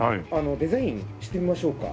デザインしてみましょうか？